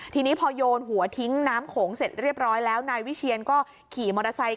ทีนี้พอโยนหัวทิ้งน้ำโขงเสร็จเรียบร้อยแล้วนายวิเชียนก็ขี่มอเตอร์ไซค